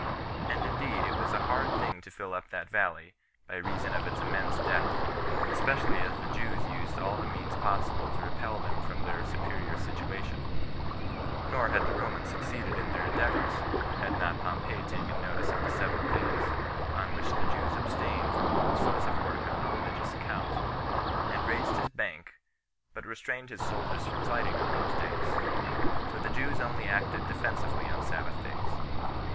And indeed it was a hard thing to fill up that valley, by reason of its immense depth, especially as the Jews used all the means possible to repel them from their superior situation; nor had the Romans succeeded in their endeavors, had not Pompey taken notice of the seventh days, on which the Jews abstain from all sorts of work on a religious account, and raised his bank, but restrained his soldiers from fighting on those days; for the Jews only acted defensively on sabbath days.